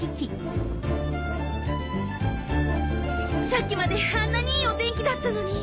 さっきまであんなにいいお天気だったのに。